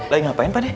lagi ngapain pak deh